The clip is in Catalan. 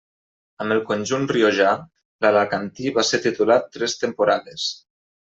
Amb el conjunt riojà, l'alacantí va ser titular tres temporades.